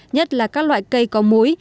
nhất là các loại cây có mối